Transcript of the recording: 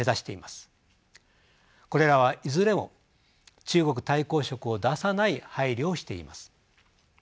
これらはいずれも中国対抗色を出さない配慮をしています。